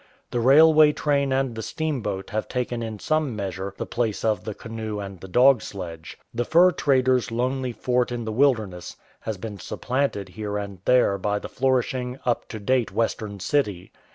The railway train and the steamboat have taken in some measure the place of the canoe and the dog sledge. The fur trader\s lonely fort in the wilderness has been supplanted here and there by the flourishing, up to date Western city.